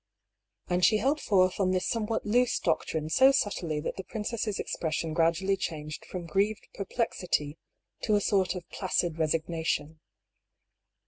And she held forth on this somewhat loose doctrine THE BEGINNING OF THE SEQUEL. 177 80 subtly that the princess' expression gradually changed from grieved perplexity to a sort of placid resignation.